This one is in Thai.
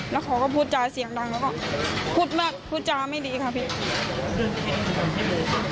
แล้วเขาก็พูดจาเสียงดังแล้วก็พูดมากพูดจาไม่ดีค่ะพี่แทง